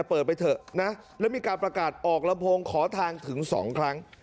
เปิดไปเถอะนะแล้วมีการประกาศออกลำโพงขอทางถึง๒ครั้ง